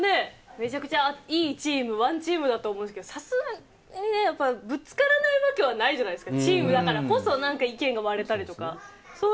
やっぱり、そんなめちゃくちゃいいチーム、ＯＮＥＴＥＡＭだと思うんですけれども、さすがにぶつからないわけはないじゃないですか。